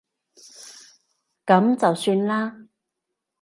噉就算啦